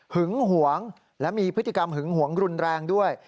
หึงหวงและมีพฤติกรรมหึงหวงรุนแรงด้วย